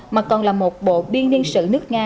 mà còn là một bộ biên niên sử nước nga